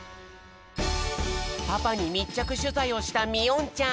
パパにみっちゃくしゅざいをしたみおんちゃん。